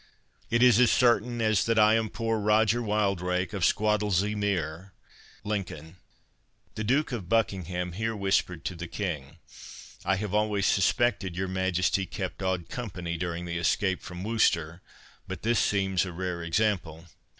It is as certain as that I am poor Roger Wildrake of Squattlesea mere, Lincoln." The Duke of Buckingham here whispered to the King, "I have always suspected your Majesty kept odd company during the escape from Worcester, but this seems a rare sample."